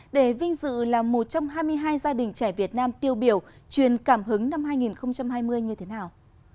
để vinh dự là một trong hai mươi hai gia đình trẻ việt nam tiêu biểu truyền cảm hứng năm hai nghìn hai mươi như thế nào